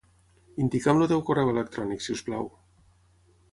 Indica'm el teu correu electrònic, si us plau.